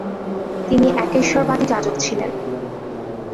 তিনি একেশ্বরবাদী যাজক ছিলেন।